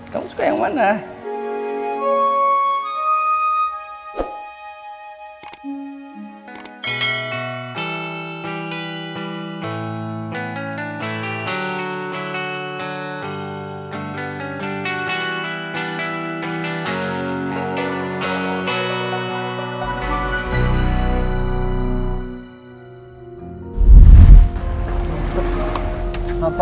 kamu suka yang mana